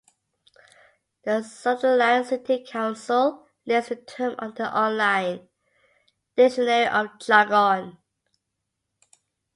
The Sunderland City Council lists the term on their online dictionary of jargon.